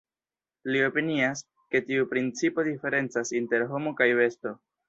Li opinias, ke tiu principo diferencas inter homo kaj besto.